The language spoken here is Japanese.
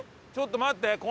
ちょっと待って。